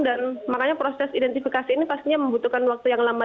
dan makanya proses identifikasi ini pastinya membutuhkan waktu yang lama